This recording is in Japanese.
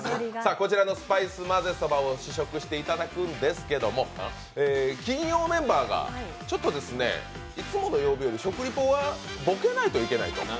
こちらのスパイスまぜそばを試食していただくんですけど、金曜メンバーが、いつもの曜日より食リポはボケないといけないと。